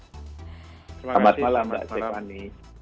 selamat malam mbak jepani